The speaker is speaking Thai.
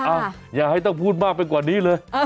อย่าให้ต้องพูดมากไปกว่านี้เลย